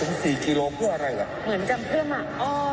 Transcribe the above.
เหมือนจะเพื่อมาอ้อมแล้วก็โจมตีทหารกระเหลี่ยงนะคะ